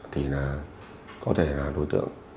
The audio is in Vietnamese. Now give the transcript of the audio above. thì là có thể là đối tượng